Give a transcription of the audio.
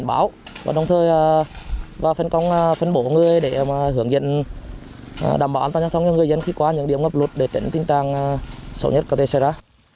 bảo an toàn cho thông tin người dân khi qua những điểm ngập lụt để tỉnh tình trạng sầu nhất có thể xảy ra